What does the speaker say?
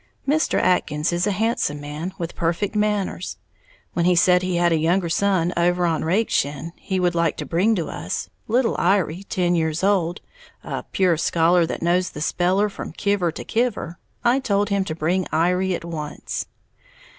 Mr. Atkins is a handsome man, with perfect manners. When he said he had a younger son over on Rakeshin he would like to bring us, little Iry, ten years old, a "pure scholar, that knows the speller from kiver to kiver," I told him to bring Iry at once.